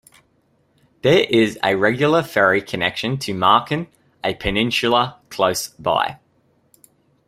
There is a regular ferry connection to Marken, a peninsula close by.